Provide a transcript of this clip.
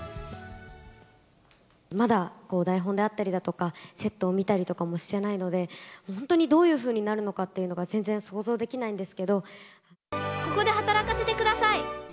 まだ台本であったりだとか、セット見たりとかもしてないので、本当にどういうふうになるのかっていうのが、ここで働かせてください。